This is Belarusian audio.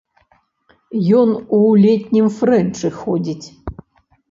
Ён у летнім фрэнчы ходзіць.